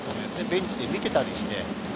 ベンチで見てたりして。